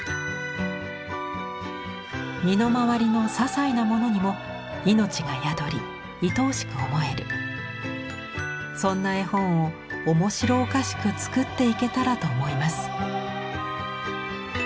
「身のまわりのささいなものにもいのちがやどりいとおしく思えるそんな絵本をおもしろおかしく作っていけたらと思います」。